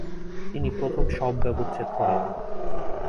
তিনি প্রথম শব ব্যবচ্ছেদ করেন।